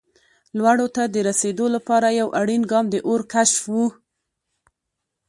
لوړو ته د رسېدو لپاره یو اړین ګام د اور کشف و.